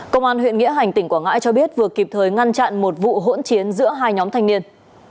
công an huyện nghĩa hành tỉnh quảng ngãi cho biết vừa kịp thời ngăn chặn một vụ hỗn chiến giữa hai nhóm thanh niên